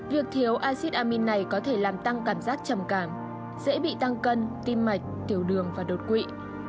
việc thiếu acid amin này có thể làm tăng cảm giác trầm cảm dễ bị tăng cân tim mạch tiểu đường và đột quỵ